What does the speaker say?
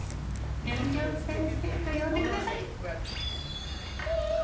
りょんりょん先生と呼んでください。